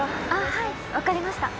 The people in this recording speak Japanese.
はい、分かりました。